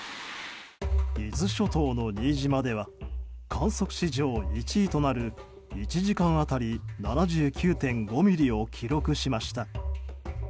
伊豆諸島の新島では観測史上１位となる１時間当たり７９．５ミリを記録しました。